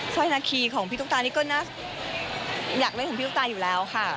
ร้อยนาคีของพี่ตุ๊กตานี่ก็น่าอยากเล่นของพี่ตุ๊กตาอยู่แล้วค่ะ